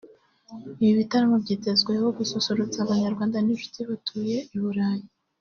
Ibi bitaramo byitezweho gususurutsa Abanyarwanda n’inshuti batuye i Burayi